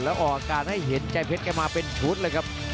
แล้วออกอาการให้เห็นใจเพชรแกมาเป็นชุดเลยครับ